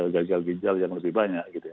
gagal gejala yang lebih banyak